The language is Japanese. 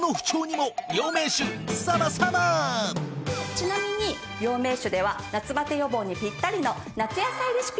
ちなみに養命酒では夏バテ予防にピッタリの夏野菜レシピを公開しているの。